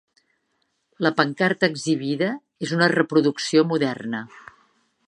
La pancarta exhibida és una reproducció moderna.